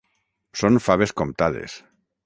Són faves comptades